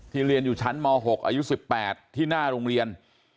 เรียนอยู่ชั้นม๖อายุ๑๘ที่หน้าโรงเรียน